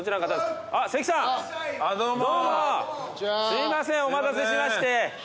すいませんお待たせしまして。